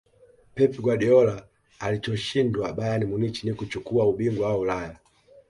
pep guardiola alichoshindwa bayern munich ni kuchukua ubingwa wa ulaya